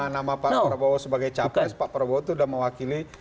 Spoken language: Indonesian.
nama pak prabowo sebagai capres pak prabowo itu sudah mewakili